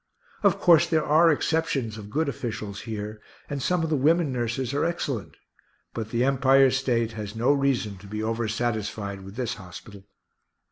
Of course there are exceptions of good officials here, and some of the women nurses are excellent, but the Empire State has no reason to be over satisfied with this hospital.